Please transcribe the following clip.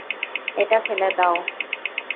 এটা ফেলে দাও।